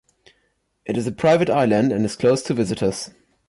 It is a private island and is closed to visitors.